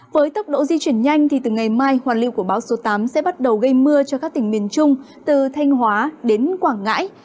với tốc độ di chuyển nhanh từ ngày mai hoàn lưu của bão số tám sẽ bắt đầu gây mưa cho các tỉnh miền trung từ thanh hóa đến quảng ngãi